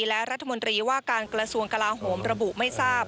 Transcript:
และรัฐมนตรีว่าการกระทรวงกลาโหมระบุไม่ทราบ